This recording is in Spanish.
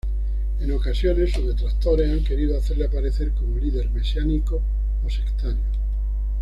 En ocasiones, sus detractores han querido hacerle aparecer como líder mesiánico o sectario.